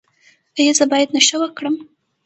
ایا زه باید نشه وکړم؟